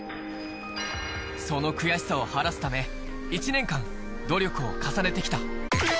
その悔しさを晴らすため、１年間、努力を重ねてきた。